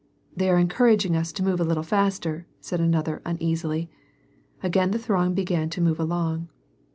"They are encouraging us to move a little ftister," said another uneasily. Again the throng began to move along.